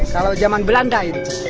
kalau zaman belanda itu